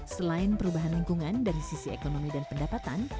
selain perubahan lingkungan dari sisi ekonomi dan pendapatan